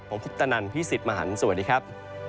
ผมคุปตนันพี่สิทธิ์มหันฯสวัสดีครับ